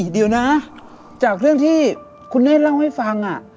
เดี๋ยวนะจากเรื่องที่คุณเนธเล่าให้ฟัง